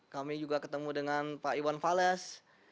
kami juga ketemu dengan pak iwan fales